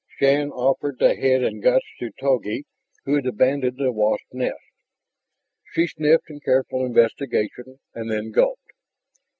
Shann offered the head and guts to Togi, who had abandoned the wasp nest. She sniffed in careful investigation and then gulped.